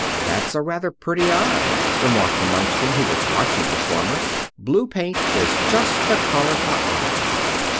"'That's a rather pretty eye,'" remarked the Munchkin who was watching the farmer. "'Blue paint is just the color for eyes.